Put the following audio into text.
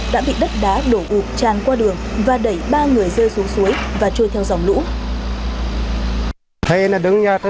đã bị đất đá đổ ụp tràn qua đường và đẩy ba người rơi xuống suối và trôi theo dòng lũ